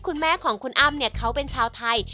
คุณแม่ของคุณอาติมเป็นชาวไทย